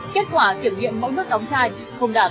kết quả kiểm nghiệm mẫu nước đóng chai không đạt